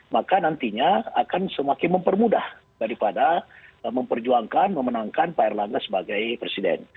maka nantinya akan semakin mempermudah daripada memperjuangkan memenangkan pak erlangga sebagai presiden